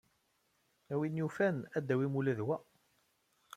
A win yufan, ad tawim ula d wa.